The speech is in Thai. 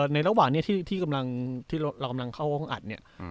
ในระหว่างที่เรากำลังเข้าโรงอัดเนี่ย